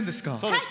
はい！